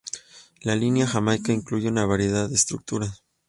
La línea Jamaica incluye una variedad de estructuras.